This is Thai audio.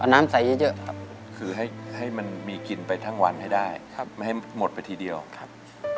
แล้วน้ำใสเยอะอยู่คิดใหม่มันมีกินไปทั้งวันให้ได้ไม่เห็นหมดไปทีเดียวครับ